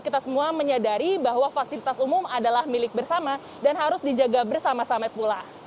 dan kita semua menyadari bahwa fasilitas umum adalah milik bersama dan harus dijaga bersama sama pula